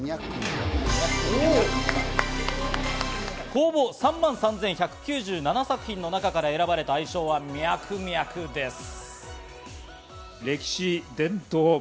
公募３万３１９７作品の中から選ばれた愛称はミャクミャクです。